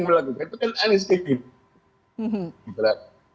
melakukan itu kan anies ke gibran